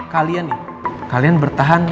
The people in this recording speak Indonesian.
kalian nih kalian bertahan